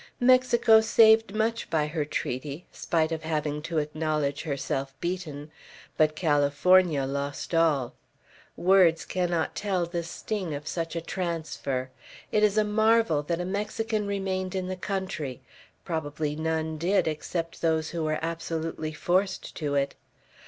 Mexico saved much by her treaty, spite of having to acknowledge herself beaten; but California lost all. Words cannot tell the sting of such a transfer. It is a marvel that a Mexican remained in the country; probably none did, except those who were absolutely forced to it.